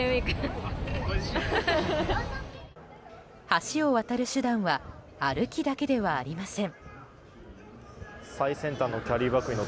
橋を渡る手段は歩きだけではありません。